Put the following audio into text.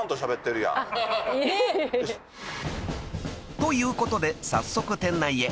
［ということで早速店内へ］